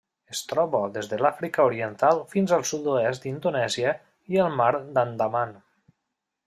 Es troba des de l'Àfrica Oriental fins al sud-oest d'Indonèsia i el Mar d'Andaman.